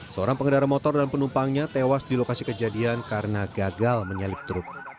seorang pengendara motor dan penumpangnya tewas di lokasi kejadian karena gagal menyalip truk